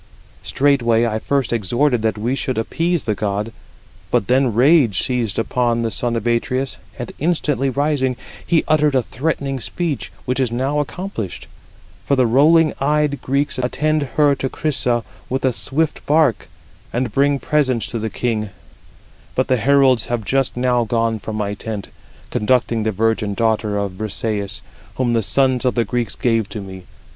Straightway I first exhorted that we should appease the god; but then rage seized upon the son of Atreus, and instantly rising, he uttered a threatening speech, which is now accomplished; for the rolling eyed Greeks attend her to Chrysa with a swift bark, and bring presents to the king; but the heralds have just now gone from my tent, conducting the virgin daughter of Brisëis, whom the sons of the Greeks gave to me.